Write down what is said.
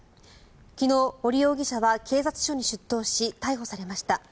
昨日、盛容疑者は警察署に出頭し逮捕されました。